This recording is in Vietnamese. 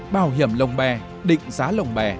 bảo hiểm lồng bè định giá lồng bè